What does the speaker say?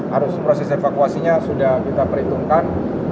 harus proses evakuasinya sudah kita perhitungkan